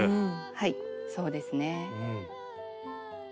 はいそうですね。